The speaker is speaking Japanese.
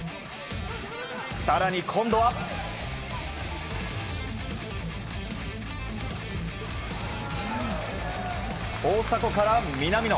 更に今度は、大迫から南野。